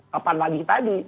kapan lagi tadi